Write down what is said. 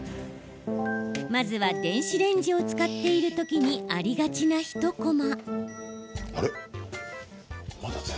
まずは、電子レンジを使っている時にありがちな一コマ。